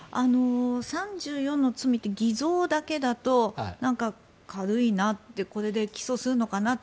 ３４の罪って偽造だけだと軽いなってこれで起訴するのかなって